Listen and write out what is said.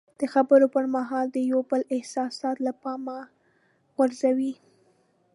د خبرو پر مهال د یو بل احساسات له پامه مه غورځوئ.